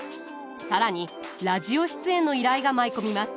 更にラジオ出演の依頼が舞い込みます。